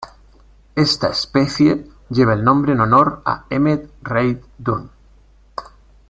Esta especie lleva el nombre en honor a Emmett Reid Dunn.